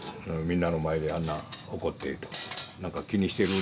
みんなの前であんな怒ってとか言って。